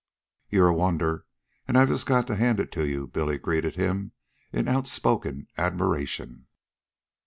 "You're a wonder, and I just got to hand it to you," Billy greeted him in outspoken admiration.